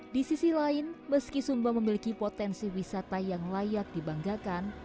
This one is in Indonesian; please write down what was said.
di sisi lain meski sumba memiliki potensi wisata yang layak dibanggakan